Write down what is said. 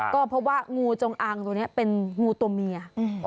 ก็เพราะว่างูจงอางตัวนี้เป็นงูตัวเมีย